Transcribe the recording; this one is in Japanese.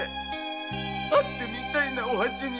会ってみたいな直八に。